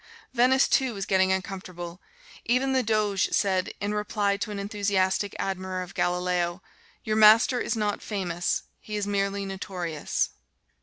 Venice too was getting uncomfortable. Even the Doge said, in reply to an enthusiastic admirer of Galileo, "Your master is not famous: he is merely notorious."